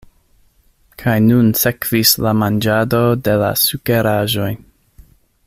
Kaj nun sekvis la manĝado de la sukeraĵoj.